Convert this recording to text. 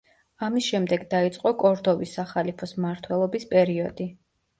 ამის შემდეგ დაიწყო კორდოვის სახალიფოს მმართველობის პერიოდი.